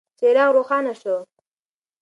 څراغ روښانه شو.